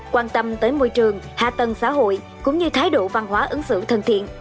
quan tâm tới môi trường hạ tầng xã hội cũng như thái độ văn hóa ứng xử thân thiện